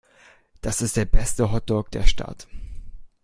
Das ist der beste Hotdog der Stadt.